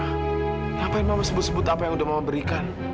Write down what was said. kenapa mama sebut sebut apa yang sudah mama berikan